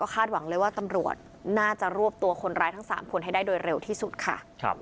คาดหวังเลยว่าตำรวจน่าจะรวบตัวคนร้ายทั้ง๓คนให้ได้โดยเร็วที่สุดค่ะ